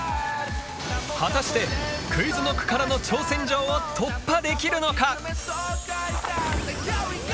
果たしてＱｕｉｚＫｎｏｃｋからの挑戦状を突破できるのか？